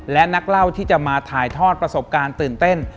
และนักเล่าที่จะมาถ่ายทอดประสบการณ์ตื่นเต้น